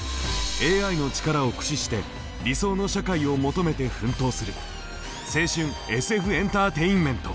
ＡＩの力を駆使して理想の社会を求めて奮闘する青春ＳＦエンターテインメント！